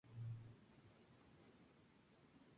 Alan Parker es un viudo con dos hijos, Randy y Ann.